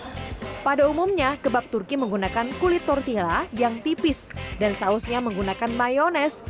pada umumnya kebab turki menggunakan kulit tortilla yang tipis dan sausnya menggunakan mayonese